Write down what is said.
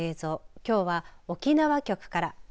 きょうは沖縄局から。